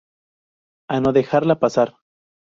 A no dejarla pasar.